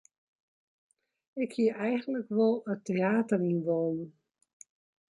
Ik hie eigentlik wol it teäter yn wollen.